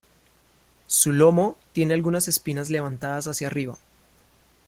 Su lomo, tiene algunas "espinas" levantadas hacia arriba.